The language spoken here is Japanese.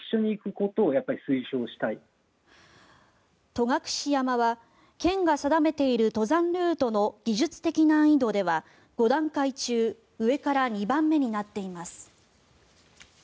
戸隠山は県が定めている登山ルートの技術的難易度では５段階中上から２番目になっています。